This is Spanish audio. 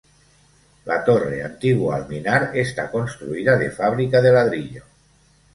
La torre, antiguo alminar, está construida de fábrica de ladrillo.